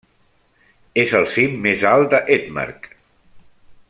És el cim més alt de Hedmark.